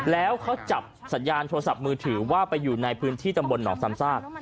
แล้วเขาจับสัญญาณโทรศัพท์มือถือว่าไปอยู่ในพื้นที่ตำบลหนองซ้ำซาก